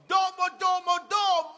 どーもどーも！